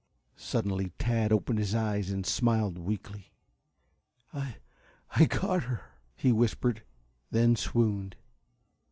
Suddenly Tad opened his eyes, and smiled weakly. "I I got her," he whispered, then swooned.